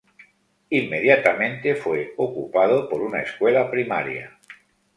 Inmediatamente fue ocupado por una escuela primaria.